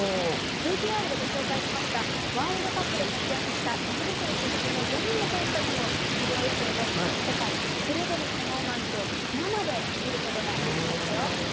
ＶＴＲでご紹介したワールドカップで活躍した栃木県出身の４人の選手たちの世界トップレベルのパフォーマンスを生で見ることができますよ。